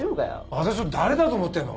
私を誰だと思ってんの！